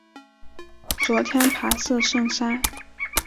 昨天爬四圣山